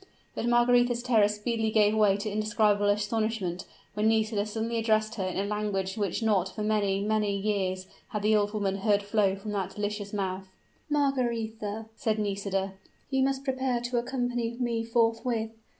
But Margaretha's terror speedily gave way to indescribable astonishment when Nisida suddenly addressed her in a language which not for many, many years, had the old woman heard flow from that delicious mouth! "Margaretha," said Nisida, "you must prepare to accompany me forthwith!